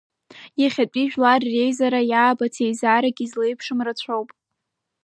Иахьатәи жәлар реизара, иаабац еизарак излеиԥшым рацәоуп.